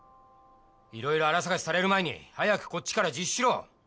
いろいろ粗探しされる前に早くこっちから自首しろ。